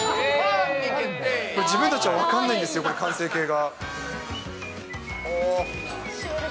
自分たちは分からないんですよ、完成形が。